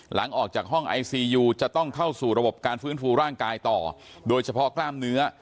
หลังจากออกจากห้องไอซียูจะต้องเข้าสู่ระบบการฟื้นฟูร่างกายต่อโดยเฉพาะกล้ามเนื้อ